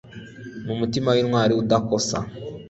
ni umutima wintwari udakosa